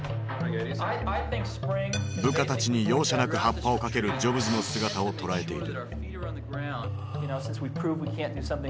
部下たちに容赦なくハッパをかけるジョブズの姿を捉えている。